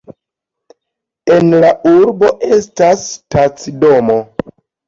En la urbo estas stacidomo.